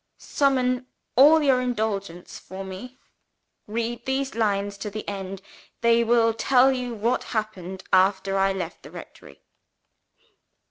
"Summon all your indulgence for me. Read these lines to the end: they will tell you what happened after I left the rectory.